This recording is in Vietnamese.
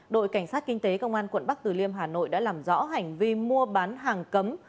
đội cảnh sát kinh tế công an quận bắc từ liêm hà nội đã làm rõ hành vi mua bán hàng cấm